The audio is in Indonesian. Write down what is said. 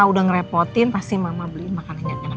udah ngerepotin pasti mama beli makanan yang enak enak